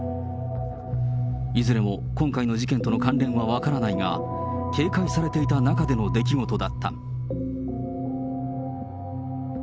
いずれも今回の事件との関連は分からないが、警戒されていた中での出来事だった。